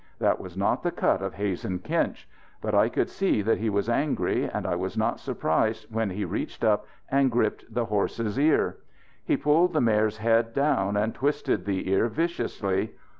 That was not the cut of Hazen Kinch. But I could see that he was angry and I was not surprised when he reached up and gripped the horse's ear. He pulled the mare's head down and twisted the ear viciously.